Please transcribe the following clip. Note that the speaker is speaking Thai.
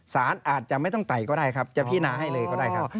สารอาจจะไม่ต้องไต่ก็ได้ครับจะพินาให้เลยก็ได้ครับ